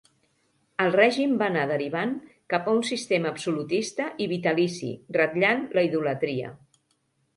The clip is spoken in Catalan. El règim va anar derivant cap a un sistema absolutista i vitalici, ratllant la idolatria.